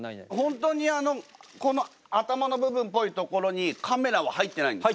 本当にあのこの頭の部分っぽいところにカメラは入ってないんですか？